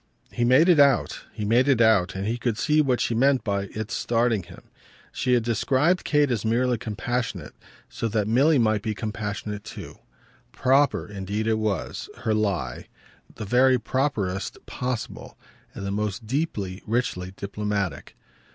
He made it out, he made it out, and he could see what she meant by its starting him. She had described Kate as merely compassionate, so that Milly might be compassionate too. "Proper" indeed it was, her lie the very properest possible and the most deeply, richly diplomatic.